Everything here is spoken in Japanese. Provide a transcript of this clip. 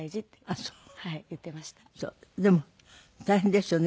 でも大変ですよね。